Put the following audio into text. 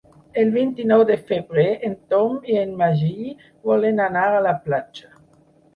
El vint-i-nou de febrer en Tom i en Magí volen anar a la platja.